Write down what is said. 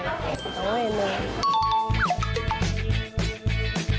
เยอะมาก